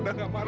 dia sakit pak